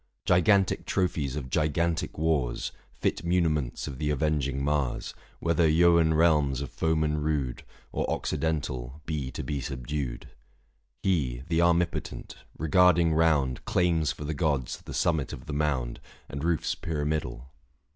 Gigantic trophies of gigantic wars, Fit muniments of the avenging Mars, Whether Eoan realms of foemen rude Or Occidental, be to be subdued. 630 He, the armipotent, regarding round, Claims for the gods the summit of the mound, And roofs pyramidal.